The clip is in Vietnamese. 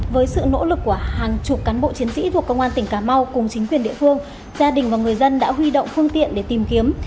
với sự nỗ lực của hàng chục cán bộ chiến sĩ thuộc công an tỉnh cà mau cùng chính quyền địa phương gia đình và người dân đã huy động phương tiện để tìm kiếm